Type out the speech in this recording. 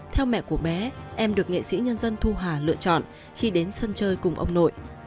theo mẹ của bé em được nghệ sĩ nhân dân thu hà lựa chọn khi đến sân chơi cùng ông nội